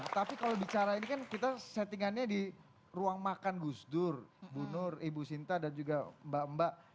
tapi kalau bicara ini kan kita settingannya di ruang makan gus dur bu nur ibu sinta dan juga mbak mbak